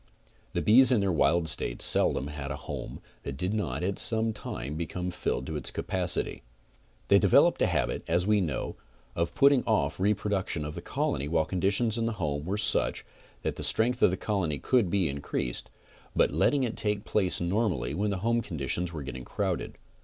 The bees in their wild state seldom had a home that did not at some time become filled to its capacity. They developed a habit, as we know, of putting off reproduction of the colony while conditions in the home were such, that the strength of the colony could be increased; but letting it take place normally when home conditions were getting crowded.